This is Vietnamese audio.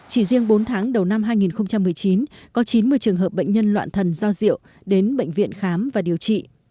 chỉ riêng bốn tháng đầu năm hai nghìn một mươi chín có chín mươi trường hợp bệnh nhân loạn thần do rượu đến bệnh viện khám và điều trị